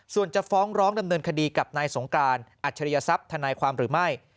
ส่วนจะฟ้องร้องดำเนินคดีกับนายสงการอัจฉริยศัพย์ทนายความหรือไม่